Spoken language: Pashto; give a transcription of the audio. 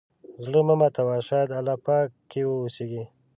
زړه مه ماتوه، شاید الله پکې اوسېږي.